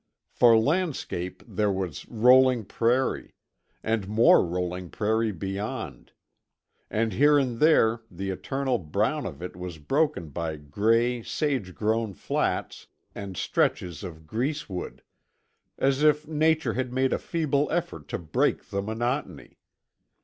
For landscape there was rolling prairie, and more rolling prairie beyond; and here and there the eternal brown of it was broken by gray sage grown flats and stretches of greasewood—as if Nature had made a feeble effort to break the monotony.